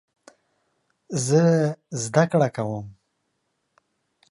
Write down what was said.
زه زده کړه کوم